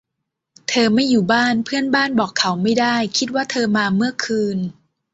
เธอไม่อยู่บ้าน เพื่อนบ้านบอกเขาไม่ได้คิดว่าเธอมาเมื่อคืน